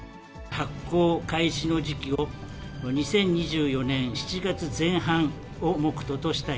発行開始の時期を、２０２４年７月前半を目途としたい。